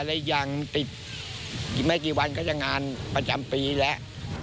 และยังติดอีกไม่กี่วันก็จะงานประจำปีแล้ว